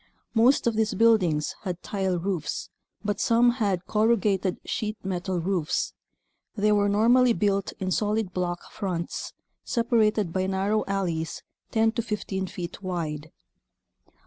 Most of these buildings had tile roofs, but some had corrugated sheet metal roofs. They were normally built in solid block fronts separated by narrow alleys 10 to 15 feet wide.